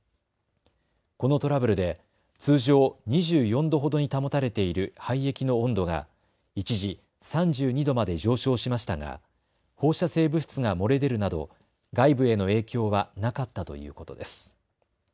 このトラブルで通常２４度ほどに保たれている廃液の温度が一時、３２度まで上昇しましたが放射性物質が漏れ出るなど外部への影響はなかったということです。